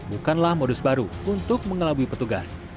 bukanlah modus baru untuk mengelabui petugas